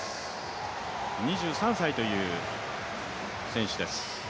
２３歳という選手です。